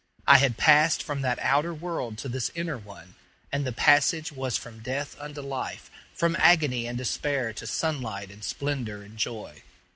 I had passed from that outer world to this inner one, and the passage was from death unto life, from agony and despair to sunlight and splendor and joy.